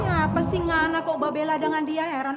ngapas sih ga na kok bela dengan dia heran